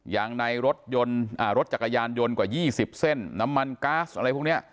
อย่างในรถยนต์รถจักรยานยนต์กว่า๒๐เส้นน้ำมันก๊าซอะไรพวกนี้